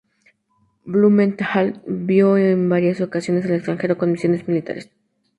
Blumenthal viajó en varias ocasiones al extranjero con misiones militares.